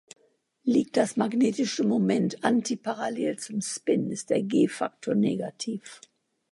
Liegt das magnetische Moment antiparallel zum Spin, ist der g-Faktor negativ.